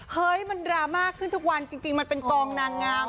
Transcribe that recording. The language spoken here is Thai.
เฮ้ยมันดราม่าขึ้นทุกวันจริงมันเป็นกองนางงาม